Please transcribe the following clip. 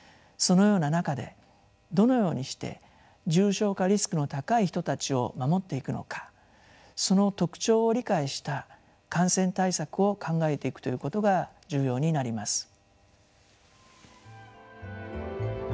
そのような中でどのようにして重症化リスクの高い人たちを守っていくのかその特徴を理解した感染対策を考えていくということが重要になります。